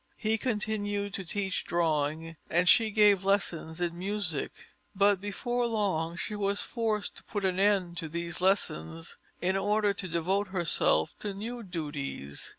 He continued to teach drawing and she gave lessons in music. But before long she was forced to put an end to these lessons in order to devote herself to new duties.